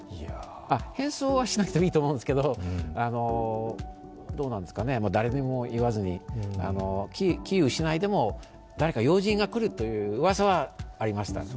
変装はしなくてもいいと思うんですけど、どうなんですかね、誰にも言わずにキーウ市内でも誰か要人が来るという、うわさはありました。